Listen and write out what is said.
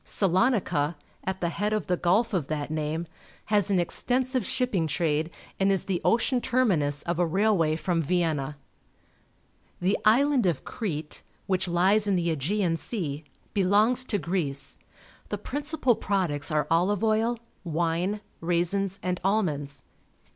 Salonica, at the head of the guH of that name, has an extensive shipping trade and is the ocean terminus of a railway from Vienna. The Ruins of the Parthenon, Athens, Greece The island of Crete, which lies in the Aegean Sea, belongs to Greece. The principal pro ducts are olive oil, wane, raisins, and almonds.